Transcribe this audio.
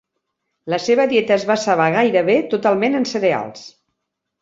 La seva dieta es basava gairebé totalment en cereals.